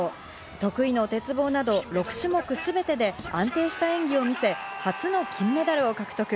得意の鉄棒など６種目すべてで安定した演技を見せ、初の金メダルを獲得。